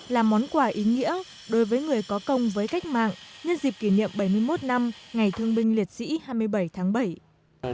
là món quà ý nghĩa đối với người có công với cách mạng nhân dịp kỷ niệm bảy mươi một năm ngày thương binh liệt sĩ hai mươi bảy tháng bảy